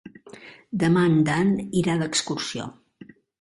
Demà en Dan irà d'excursió.